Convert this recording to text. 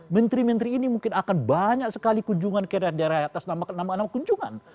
menteri menteri ini mungkin akan banyak sekali kunjungan ke daerah daerah atas nama nama kunjungan